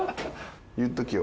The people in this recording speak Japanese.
言っときよ。